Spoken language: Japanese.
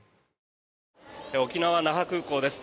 沖縄・那覇空港です。